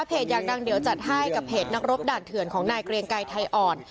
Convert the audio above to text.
อยากดังเดี๋ยวจัดให้กับเพจนักรบด่านเถื่อนของนายเกรียงไกรไทยอ่อน